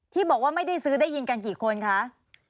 ที่บอกว่าไม่ได้ซื้อได้ยินกันกี่คนคะ